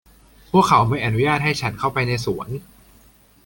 พวกเขาไม่อนุญาตให้ฉันเข้าไปในสวน